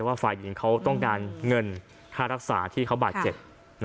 แต่ว่าฝ่ายเองต้องการเงินค่ารักษาที่เขาบาดเจ็บ